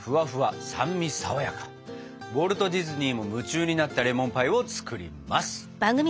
ウォルト・ディズニーも夢中になったレモンパイを作ります。